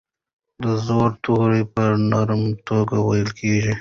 د زور توری په نرمه توګه ویل کیږي.